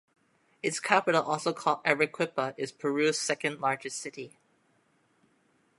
Its capital, also called Arequipa, is Peru's second-largest city.